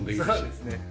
そうですね。